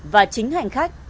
và chính hành khách